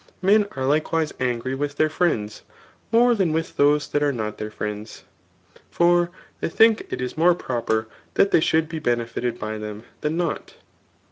Men are likewise angry with their friends more than with those that are not dieir friends ; for they think it is more pro per that diey should be beneficed by them than not.